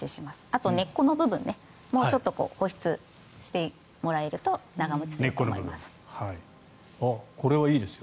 あと、根っこの部分も保湿してもらえると長持ちすると思います。